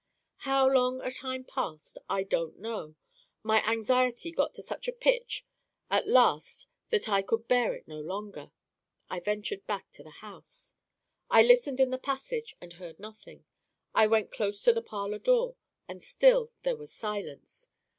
"How long a time passed I don't know. My anxiety got to such a pitch at last that I could bear it no longer. I ventured back to the house. "I listened in the passage, and heard nothing. I went close to the parlor door, and still there was silence.